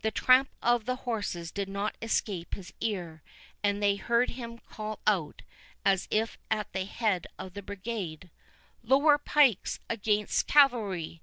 The tramp of the horses did not escape his ear; and they heard him call out, as if at the head of the brigade— "Lower pikes against cavalry!